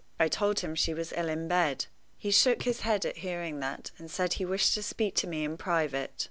I told him she was ill in bed. He shook his head at hearing that, and said he wished to speak to me in private.